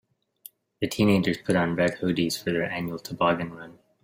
The teenagers put on red hoodies for their annual toboggan run.